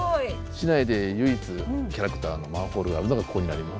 市内で唯一キャラクターのマンホールがあるのがここになります。